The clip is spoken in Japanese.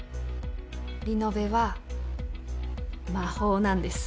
リノベは魔法なんです。